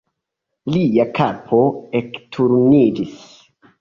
Lia kapo ekturniĝis.